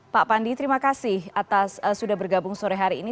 pak pandi terima kasih atas sudah bergabung sore hari ini